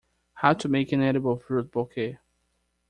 How to make an edible fruit bouquet.